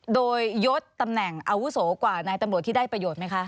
โดยยดตำแหน่งอาวุโสกว่านายตำรวจที่ได้ประโยชน์ไหมคะ